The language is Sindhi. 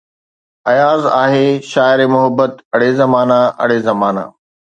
آياز آھي شاعرِ محبت، اڙي زمانا اڙي زمانا